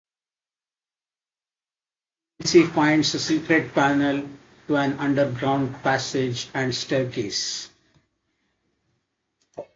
Nancy finds a secret panel to an underground passage and staircase.